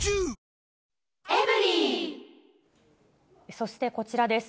そしてこちらです。